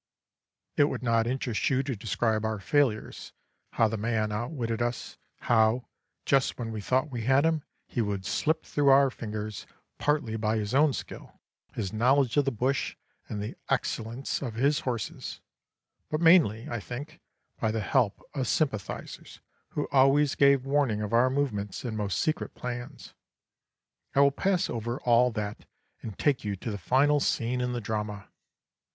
"It would not interest you to describe our failures how the man outwitted us; how, just when we thought we had him, he would slip through our fingers, partly by his own skill, his knowledge of the bush, and the excellence of his horses, but mainly, I think, by the help of sympathisers, who always gave warning of our movements and most secret plans. I will pass over all that and take you to the final scene in the drama.